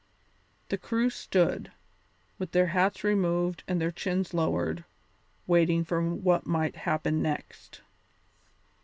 The crew stood, with their hats removed and their chins lowered, waiting for what might happen next.